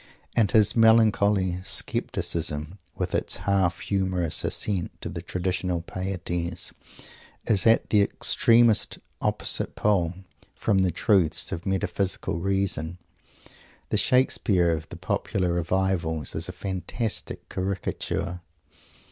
And his melancholy scepticism, with its half humorous assent to the traditional pieties, is at the extremest opposite pole from the "truths" of metaphysical reason. The Shakespeare of the Popular Revivals is a fantastic caricature.